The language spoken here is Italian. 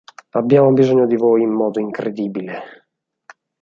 Abbiamo bisogno di voi in modo incredibile.